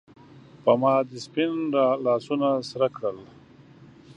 پۀ ما دې سپین لاسونه سرۀ کړل